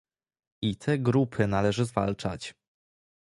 I te grupy należy zwalczać